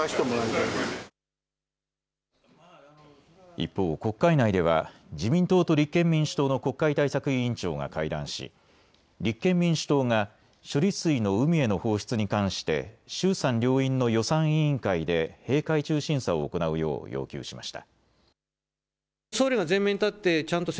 一方、国会内では自民党と立憲民主党の国会対策委員長が会談し立憲民主党が処理水の海への放出に関して衆参両院の予算委員会で閉会中審査を行うよう要求しました。